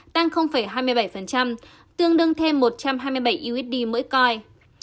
tăng hai mươi bảy tương đương thêm một trăm hai mươi bảy usd mỗi coi